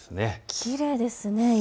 きれいですね。